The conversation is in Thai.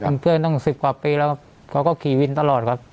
เป็นเพื่อนตั้ง๑๐กว่าปีแล้วครับเขาก็ขี่วินตลอดครับ